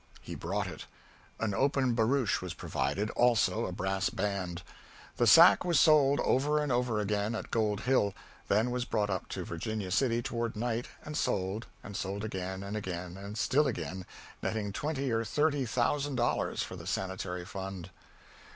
He brought it. An open barouche was provided, also a brass band. The sack was sold over and over again at Gold Hill, then was brought up to Virginia City toward night and sold and sold again, and again, and still again, netting twenty or thirty thousand dollars for the Sanitary Fund.